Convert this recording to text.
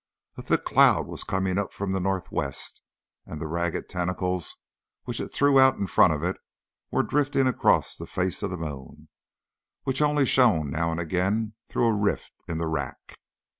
A thick cloud was coming up from the north west, and the ragged tentacles which it threw out in front of it were drifting across the face of the moon, which only shone now and again through a rift in the wrack.